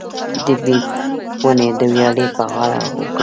د بید ونې د ویالې په غاړه وکرم؟